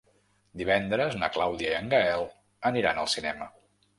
Divendres na Clàudia i en Gaël aniran al cinema.